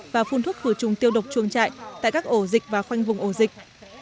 và phun thuốc khử trùng tiêu độc chuồng trại tại các ổ dịch và khoanh vùng ổ dịch